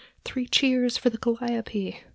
"Three cheers for the Calliope!"